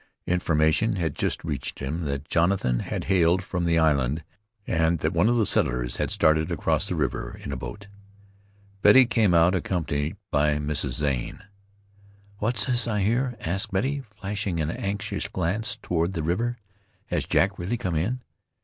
Information had just reached him that Jonathan had hailed from the island, and that one of the settlers had started across the river in a boat. Betty came out accompanied by Mrs. Zane. "What's this I hear?" asked Betty, flashing an anxious glance toward the river. "Has Jack really come in?"